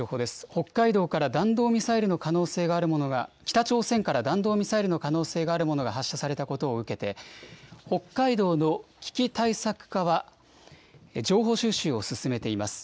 北海道から弾道ミサイルの可能性があるものが、北朝鮮から弾道ミサイルの可能性があるものが発射されたことを受けて、北海道の危機対策課は、情報収集を進めています。